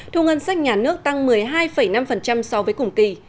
thu ngân sách nhà nước tăng một mươi hai năm so với cùng kỳ